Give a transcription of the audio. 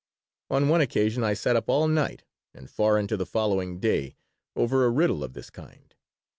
On one occasion I sat up all night and far into the following day over a riddle of this kind.